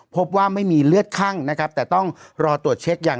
พบว่าไม่มีเลือดคั่งนะครับแต่ต้องรอตรวจเช็คอย่าง